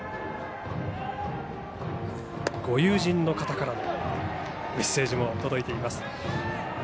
ご友人の方からのメッセージも届いています。